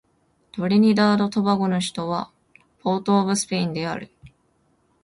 トリニダード・トバゴの首都はポートオブスペインである